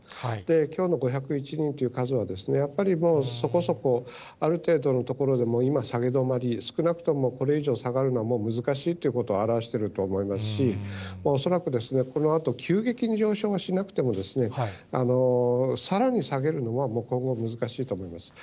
きょうの５０１人という数は、やっぱりもう、そこそこある程度のところで今、下げ止まり、少なくともこれ以上下がるのはもう難しいということを表していると思いますし、恐らく、このあと急激に上昇はしなくても、さらに下げるのは、もう今後、難しいと思います。